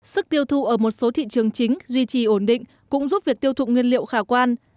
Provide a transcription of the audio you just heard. sức tiêu thụ ở một số thị trường chính duy trì ổn định cũng giúp việc tiêu thụ nguyên liệu khả quan